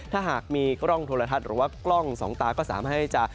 ถ้าหากมีกล้องโทรทัศน์หรือว่ากล้องสองตาก็สามารถที่จะ